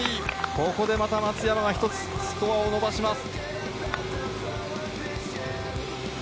ここでまた松山がスコアを１つ伸ばします。